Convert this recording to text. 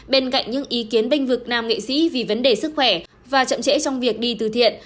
bên cạnh những ý kiến binh vực nam nghệ sĩ vì vấn đề sức khỏe và chậm trễ trong việc đi từ thiện